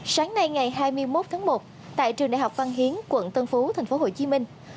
sáng nay ngày hai mươi một tháng một tại trường đại học văn hiến quận tân phú tp hcm